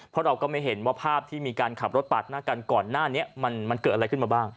เพราะเราก็ไม่เห็นว่าภาพที่มีการขับรถปาดหน้ากันก่อนหน้านี้มันเกิดอะไรขึ้นมาบ้าง